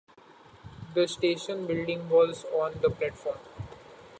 The station building was on the platform.